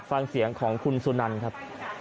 เอ้าฟังเสียงของคุณสุนันน์ครับ